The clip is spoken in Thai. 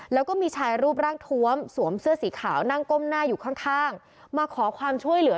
แล้วก็มีชายรูปร่างทวมสวมเสื้อสีขาวนั่งก้มหน้าอยู่ข้างข้างมาขอความช่วยเหลือ